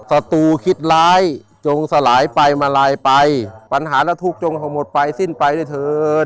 ศัตรูคิดร้ายจงสลายไปมาลายไปปัญหาแล้วทูท์จงพอหมดไปสิ้นไปได้เธอ